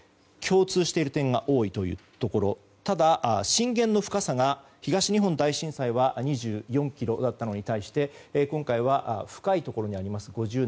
共通している点が多いというところただ、震源の深さが東日本大震災が２４ｋｍだったのに対して今回は深いところにあります